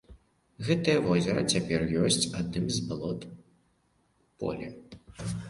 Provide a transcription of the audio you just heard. Гэтае возера цяпер ёсць адным з балот у полі.